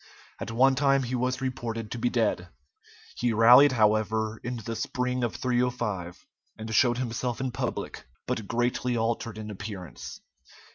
At one time he was reported to be dead. He rallied, however, in the spring of 305, and showed himself in public, but greatly altered in appearance.